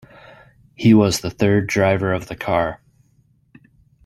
He was the third driver of the car.